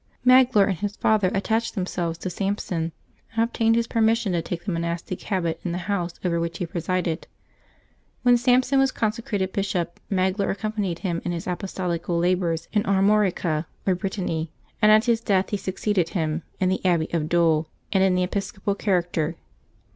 Magloire and his father at tached themselves to Sampson, and obtained his permis sion to take the monastic habit in the house over which he presided. When Sampson was consecrated bishop, Magloire accompanied him in his apostolical labors in Armorica, or Brittany, and at his death he succeeded him in the Abbey of Dole and in the episcopal character.